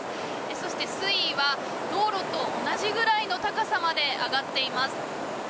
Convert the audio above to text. そして水位は道路と同じぐらいの高さまで上がっています。